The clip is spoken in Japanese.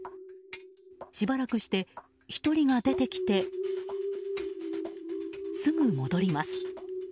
しばらくして１人が出てきてすぐ戻ります。